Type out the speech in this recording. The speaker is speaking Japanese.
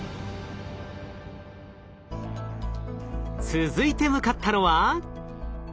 続いて向かったのは。